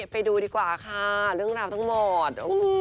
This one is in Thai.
ไปดูดีกว่าค่ะเรื่องราวทั้งหมด